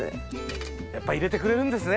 やっぱ入れてくれるんですね